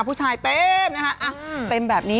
ผู้ชายเต็มนะคะเต็มแบบนี้